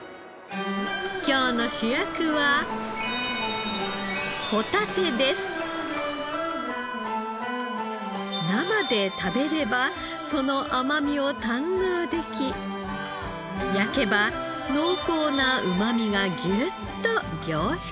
今日の主役は生で食べればその甘みを堪能でき焼けば濃厚なうまみがギュッと凝縮されます。